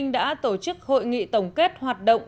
đã tổ chức hội nghị tổng kết hoạt động